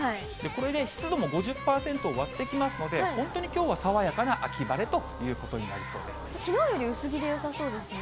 これで湿度も５０％を割ってきますので、本当にきょうは爽やかなきのうより薄着でよさそうですね。